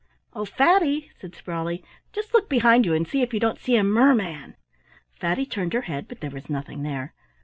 "Oh, Fatty," said Sprawley, "just look behind you and see if you don't see a merman." Fatty turned her head, but there was nothing there.